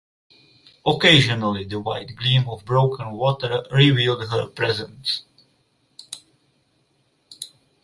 Occasionally the white gleam of broken water revealed her presence.